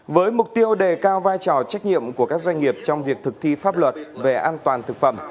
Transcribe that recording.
với mục tiêu đề cao vai trò trách nhiệm của các doanh nghiệp trong việc thực thi pháp luật về an toàn thực phẩm